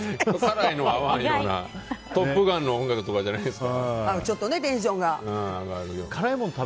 「トップガン」の音楽とかじゃないんですか。